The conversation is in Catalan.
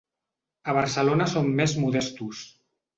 A Barcelona som més modestos.